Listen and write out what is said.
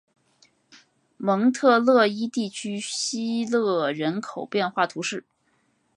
蒙特勒伊地区希勒人口变化图示